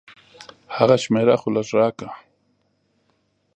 د هغه شميره خو لګه راکه.